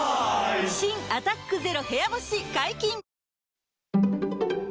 新「アタックＺＥＲＯ部屋干し」解禁‼